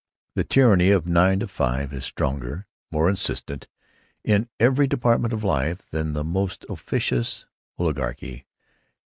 The tyranny of nine to five is stronger, more insistent, in every department of life, than the most officious oligarchy.